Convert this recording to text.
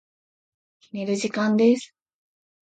寝る時間です。